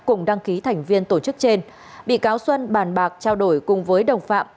cùng đăng ký thành viên tổ chức trên bị cáo xuân bàn bạc trao đổi cùng với đồng phạm